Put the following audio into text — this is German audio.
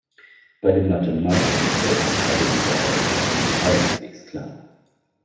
Bei dem mathematischen Modell sind alle diese Eigenschaften keineswegs klar.